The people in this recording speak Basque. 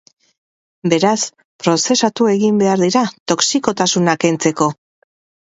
Beraz, prozesatu egin behar dira toxikotasuna kentzeko.